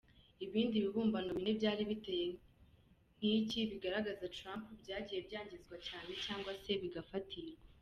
Ibindi bibumbano bine byari biteye nk’iki bigaragaza Trump byagiye byangizwa cyangwa se bigafatirwa.